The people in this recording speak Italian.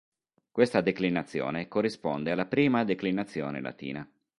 Questa declinazione corrisponde alla prima declinazione latina.